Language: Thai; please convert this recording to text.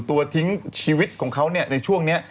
ตัวทิ้งชีวิตของเขาในช่วงนี้